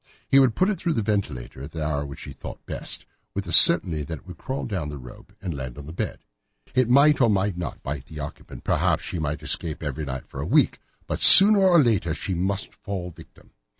He would put it through this ventilator at the hour that he thought best, with the certainty that it would crawl down the rope and land on the bed. It might or might not bite the occupant, perhaps she might escape every night for a week, but sooner or later she must fall a victim.